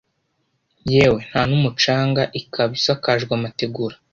yewe nta n’umucanga, ikaba isakajwe amategura.